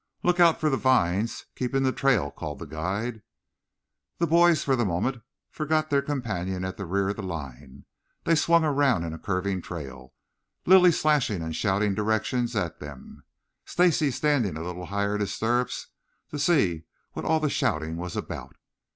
"Look out for the vines. Keep in the trail," called the guide. The boys, for the moment, forgot their companion at the rear of the line. They swung around in a curving trail, Lilly slashing and shouting directions at them, Stacy standing a little higher in his stirrups to see what all the shouting was about.